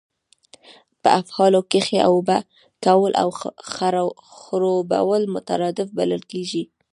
په افعالو کښي اوبه کول او خړوبول مترادف بلل کیږي.